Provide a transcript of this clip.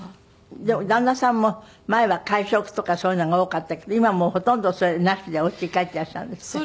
でも旦那さんも前は会食とかそういうのが多かったけど今もうほとんどそれなしでおうちに帰っていらっしゃるんですって？